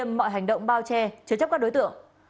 hãy đảm bảo hành động bao che chớ chấp các đối tượng